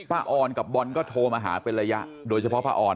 ออนกับบอลก็โทรมาหาเป็นระยะโดยเฉพาะป้าออน